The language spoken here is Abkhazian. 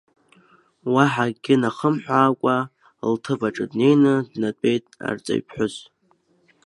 Уаҳа акгьы ахымҳәаакәа лҭыԥ аҿы днеины днатәеит арҵаҩԥҳәыс.